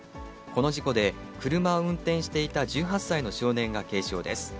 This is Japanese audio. この事故で、車を運転していた１８歳の少年が軽傷です。